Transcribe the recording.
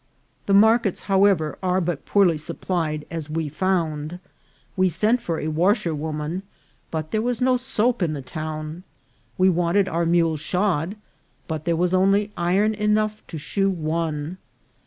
The markets, however, are but poorly supplied, as we found. We sent for a washerwoman, but there was no soap in the town. "We wanted our mules shod, but there was only iron enough to shoe one.